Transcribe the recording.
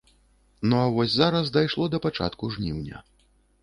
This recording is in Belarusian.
Ну а вось зараз дайшло да пачатку жніўня.